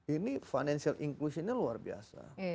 ini financial inclusionnya luar biasa